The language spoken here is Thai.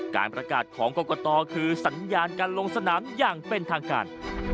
การประกาศของกรกตคือสัญญาการลงสนามอย่างเป็นทางการ